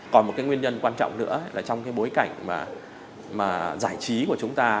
còn một cái nguyên nhân quan trọng nữa là trong cái bối cảnh mà giải trí của chúng ta